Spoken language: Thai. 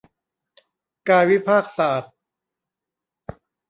กายวิภาคศาสตร์